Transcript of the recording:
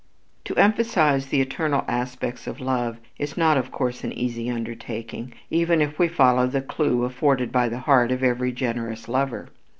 To emphasize the eternal aspects of love is not of course an easy undertaking, even if we follow the clue afforded by the heart of every generous lover.